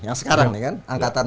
yang sekarang nih kan angkatan